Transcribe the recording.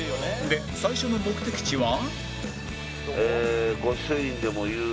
で最初の目的地は